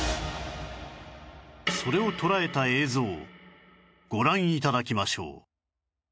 それを捉えた映像をご覧頂きましょう